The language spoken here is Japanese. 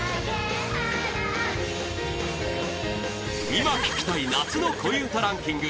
今聴きたい夏の恋うたランキング